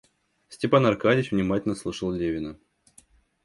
Степан Аркадьич внимательно слушал Левина.